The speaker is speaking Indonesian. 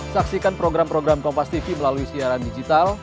saksikan program program kompastv melalui siaran digital